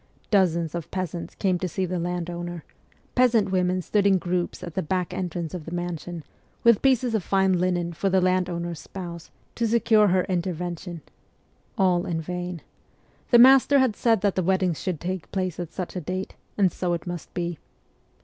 Dozens of peasants came to see the landowner ; peasant women stood in groups at the back entrance of the mansion, with pieces of fine linen for the landowner's spouse, to secure her intervention. All in vain. The master had said that the weddings should take place at such a date, and so it must be.